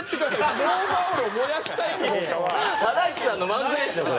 ハライチさんの漫才でしょそれ。